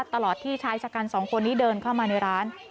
ตลอดที่ชายชะกันสองคนนี้เดินเข้ามาในร้าน